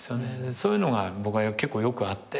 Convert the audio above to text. そういうのが僕は結構よくあって。